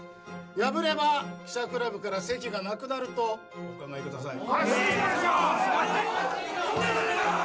破れば記者クラブから席がなくなるとお考えください